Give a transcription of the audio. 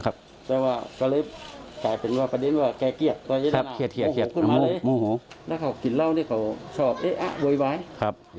คือที่ติดใจ